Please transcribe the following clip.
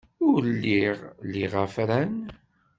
Ur lliɣ liɣ afran.